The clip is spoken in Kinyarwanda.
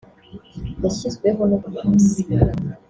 yashyizweho n’ubuyobozi